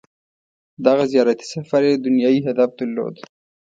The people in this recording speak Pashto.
• دغه زیارتي سفر یې دنیايي هدف درلود.